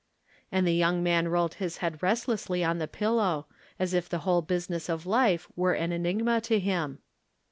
And the young man rolled his head restlessly on his pillow, as if the whole business of life were an enigma to him.